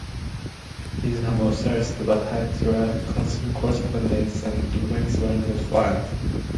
His home was searched, but the Hitler correspondence and drawings were not found.